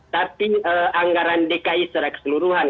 tapi anggaran dki secara keseluruhan